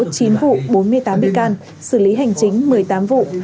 khởi tố chín vụ bốn mươi tám bị can xử lý hành chính một mươi tám vụ